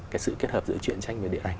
cái sự kết hợp giữa chuyện tranh về điện ảnh